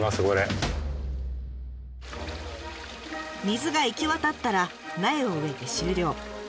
水が行き渡ったら苗を植えて終了。